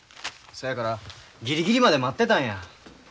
そやからギリギリまで待ってたんや。